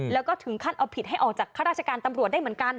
แล้วก็ถึงขั้นเอาผิดให้ออกจากข้าราชการตำรวจได้เหมือนกัน